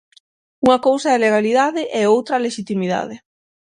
Unha cousa é a legalidade e outra a lexitimidade.